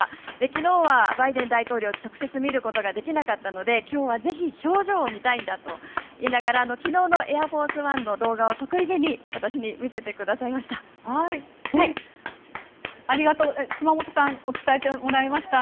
昨日はバイデン大統領を直接見ることができなかったので今日はぜひ表情を見たいんだと言いながら昨日のエアフォース・ワンの動画を得意げに私に見せてくださいました。